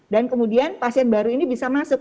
dan kemudian pasien baru ini bisa masuk